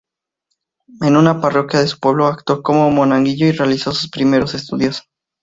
En una parroquia de su pueblo, actuó como monaguillo, y realizó sus primeros estudios.